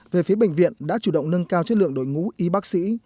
về phía bệnh viện đã chủ động nâng cao chất lượng đội ngũ y bác sĩ